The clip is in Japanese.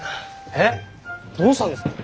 えっどうしたんですか？